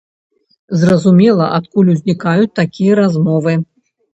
Зразумела, адкуль узнікаюць такія размовы.